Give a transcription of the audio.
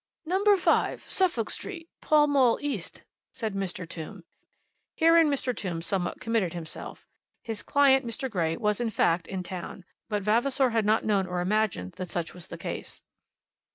"Number 5, Suffolk Street, Pall Mall East," said Mr. Tombe. Herein Mr. Tombe somewhat committed himself. His client, Mr. Grey, was, in fact, in town, but Vavasor had not known or imagined that such was the case.